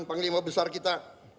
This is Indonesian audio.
panglima besar kita